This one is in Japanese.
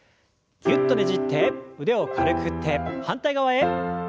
ぎゅっとねじって腕を軽く振って反対側へ。